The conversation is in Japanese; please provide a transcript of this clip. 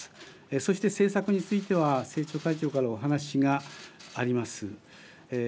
そして、政策については政調会長からお話があります。